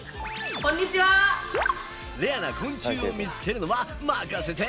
レアな昆虫を見つけるのは任せて！